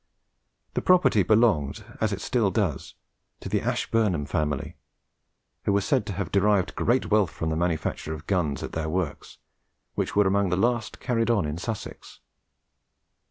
The property belonged, as it still does, to the Ashburnham family, who are said to have derived great wealth from the manufacture of guns at their works, which were among the last carried on in Sussex.